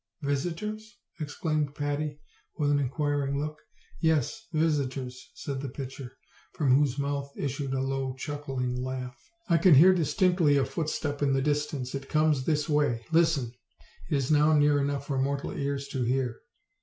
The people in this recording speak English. "Visitors?" exclaimed Patty, with an inquiring look. "Yes, visitors," said the pitcher, from whose mouth issued a low chuckling laugh. "I can hear distinctly a footstep in the distance; it comes this way. Listen! it is >now near enough for mortal ears to hear."